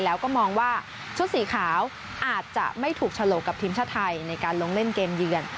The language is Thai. แล้วก็มองว่าชุดสีขาวอาจจะไม่ถูกฉลกกับทีมชาติไทยในการลงเล่นเกมเยือน